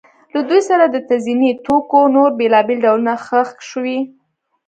له دوی سره د تزیني توکو نور بېلابېل ډولونه ښخ شوي